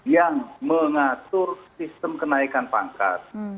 yang mengatur sistem kenaikan pangkat